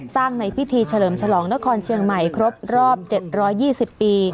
ในพิธีเฉลิมฉลองนครเชียงใหม่ครบรอบ๗๒๐ปี